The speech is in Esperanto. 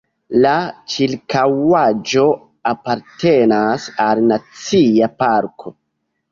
La ĉirkaŭaĵo apartenas al Nacia parko.